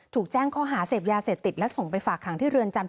ถูกแจ้งข้อหาเสพยาเสพติดและส่งไปฝากหางที่เรือนจำ